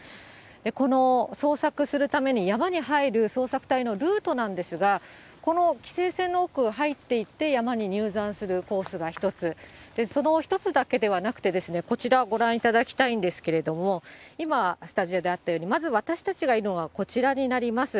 この捜索するために、山に入る捜索隊のルートなんですが、この規制線の奥入っていって、山に入山するコースが１つ、その１つだけではなくて、こちら、ご覧いただきたいんですけれども、今、スタジオであったように、まず私たちがいるのがこちらになります。